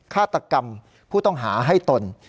ฆาตกรรมผู้ต้องหาให้ตน